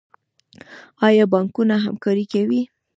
آیا بانکونه همکاري کوي؟